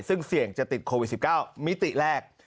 ซึ่งเสี่ยงจะติดโควิด๑๙มิติแรก